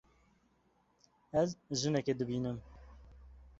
Ez jinekê dibînim.